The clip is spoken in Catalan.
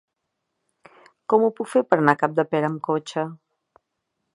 Com ho puc fer per anar a Capdepera amb cotxe?